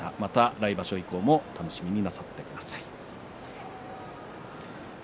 来場所以降もお楽しみになさってください。